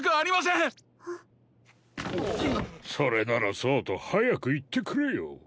それならそうとはやくいってくれよ。